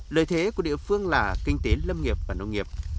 lợi thế của địa phương là kinh tế lâm nghiệp và nông nghiệp